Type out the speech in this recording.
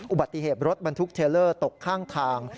อุบัติเหตุรถบรรทุกเทลเลอร์ตกข้างทาง